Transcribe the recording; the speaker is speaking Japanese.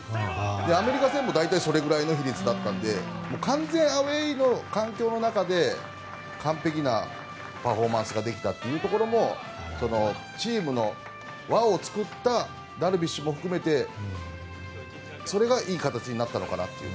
アメリカ戦も大体それぐらいの比率だったので完全アウェーの環境の中で完璧なパフォーマンスができたというところもチームの輪を作ったダルビッシュも含めてそれがいい形になったのかなと。